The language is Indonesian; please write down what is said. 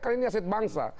karena ini aset bangsa